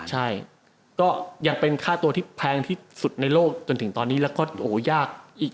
ใช่ก็ยังเป็นค่าตัวที่แพงที่สุดในโลกจนถึงตอนนี้แล้วก็โอ้ยากอีก